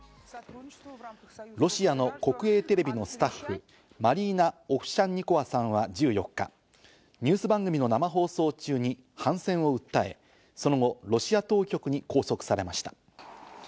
ロシアの国営テレビのスタッフ、マリーナ・オフシャンニコワさんは１４日、ニュース番組の生放送中に反戦を訴え、その後、ロシア当局に拘束されました。